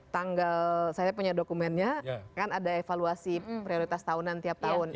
tanggal saya punya dokumennya kan ada evaluasi prioritas tahunan tiap tahun